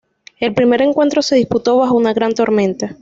El primer encuentro se disputó bajo una gran tormenta.